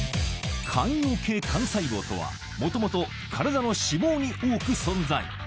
間葉系幹細胞とは、もともと体の脂肪に多く存在。